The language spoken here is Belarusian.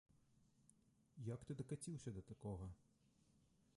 Як ты дакаціўся да такога?